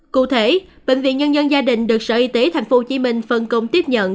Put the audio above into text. cụ thể bệnh viện nhân dân gia đình được sở y tế tp hcm phân công tiếp nhận